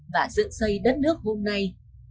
và sự xây đất nước hôm nay